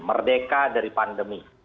merdeka dari pandemi